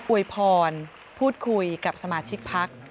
วยพรพูดคุยกับสมาชิกพัก